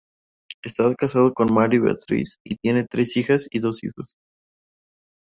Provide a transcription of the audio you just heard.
Está casado con Marie-Beatrice y tiene tres hijas y dos hijos.